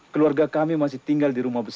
keluarga kami masih tinggal di rumah